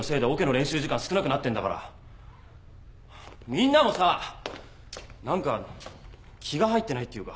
みんなもさ何か気が入ってないっていうか。